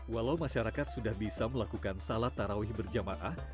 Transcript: walau masyarakat sudah bisa melakukan salat tarawih berjamaah